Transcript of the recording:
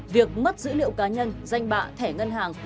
việc mất dữ liệu cá nhân danh bạ thẻ ngân hàng